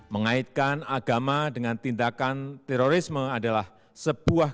mengaitkan agama dengan tindakan terorisme adalah sebuah